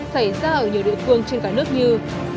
xảy ra ở nhiều địa phương trên cả nước như